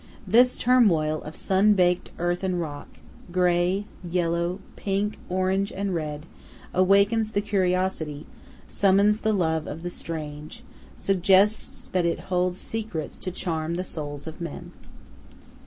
This turmoil of sun baked earth and rock, grey, yellow, pink, orange, and red, awakens the curiosity, summons the love of the strange, suggests that it holds secrets to charm the souls of men.